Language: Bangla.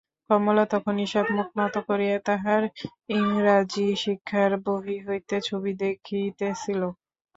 কমলা তখন ঈষৎ মুখ নত করিয়া তাহার ইংরাজিশিক্ষার বহি হইতে ছবি দেখিতেছিল।